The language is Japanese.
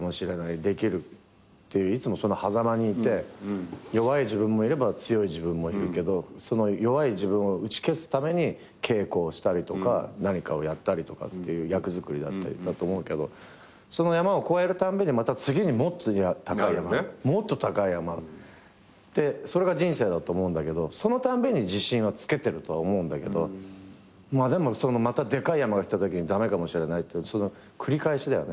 「できる」っていつもそのはざまにいて弱い自分もいれば強い自分もいるけどその弱い自分を打ち消すために稽古をしたりとか何かをやったりとかっていう役作りだったりだと思うけどその山を越えるたんびにまた次にもっと高い山もっと高い山ってそれが人生だと思うんだけどそのたんびに自信はつけてるとは思うんだけどでもまたでかい山が来たときに駄目かもしれないってその繰り返しだよね。